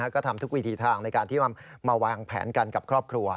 ก็ทำทุกวิธีทางในการที่มาวางแผนกันกับครอบครัว